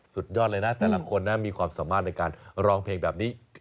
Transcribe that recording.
สุดยอดเลยนะแต่ละคนนะมีความสามารถในการร้องเพลงแบบนี้